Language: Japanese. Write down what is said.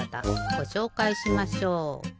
ごしょうかいしましょう。